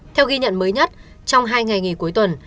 theo ghi nhận mới nhất trong hai ngày nghỉ cuối tuần